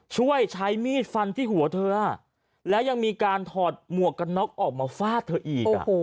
ช่วยใช้มีดฟันที่หัวเธอแล้วยังมีการถอดหมวกกันน็อกออกมาฟาดเธออีก